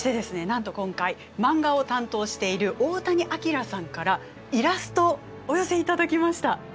なんと今回マンガを担当している大谷アキラさんからイラストお寄せいただきました。